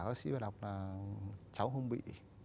các bác sĩ đọc là cháu không bị